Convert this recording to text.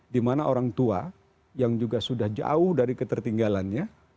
dimana orang tua yang juga sudah jauh dari ketertinggalannya